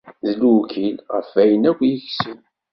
D lewkil ɣef wayen akk yekseb.